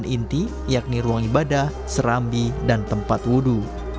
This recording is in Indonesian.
bagian inti yakni ruang ibadah serambi dan tempat wudhu